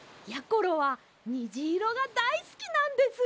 ころはにじいろがだいすきなんです。